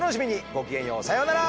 ごきげんようさようなら。